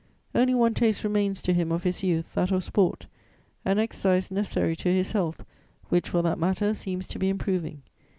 Only one taste remains to him of his youth, that of sport, an exercise necessary to his health, which, for that matter, seems to be improving.